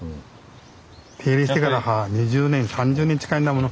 手入れしてから２０年３０年近いんだもの。